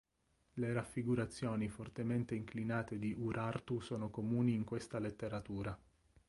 Le raffigurazioni fortemente inclinate di Urartu sono comuni in questa letteratura.